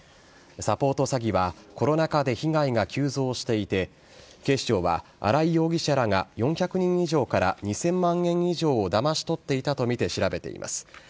サポート詐欺はコロナ禍で被害が急増していて、警視庁はアライ容疑者らが４００人以上から２０００万円以上をだまし取っていたと見て調べています。